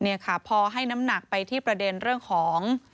นี่ค่ะพอให้น้ำหนักไปที่ประเด็นเรื่องของ